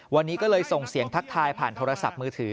วันนี้ก็เลยส่งเสียงทักทายผ่านโทรศัพท์มือถือ